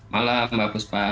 malam mbak puspa